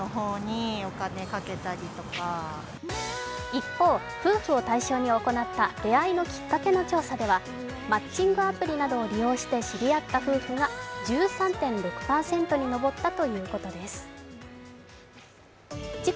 一方、夫婦を対象に行った出会いのきっかけの調査ではマッチングアプリなどを利用して知り合った夫婦が１３．６％に上ったということです。